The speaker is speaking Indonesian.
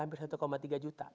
hampir satu tiga juta